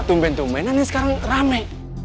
tumben tumben enek sekarang rame